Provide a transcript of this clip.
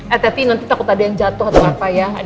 eh teti nanti takut ada yang jatuh atau apa ya